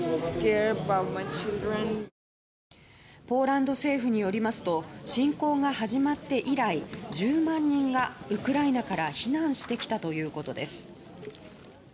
ポーランド政府によりますと侵攻が始まって以来１０万人がウクライナから避難してきたということです。